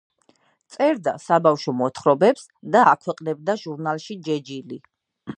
წერდა საბავშვო მოთხრობებს და აქვეყნებდა ჟურნალში „ჯეჯილი“.